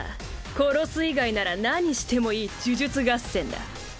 殺す以外なら何してもいい呪術合戦だ。